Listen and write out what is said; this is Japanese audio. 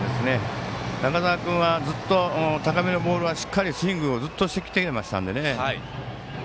中澤君はずっと高めのボールはしっかりスイングをしてきていましたので。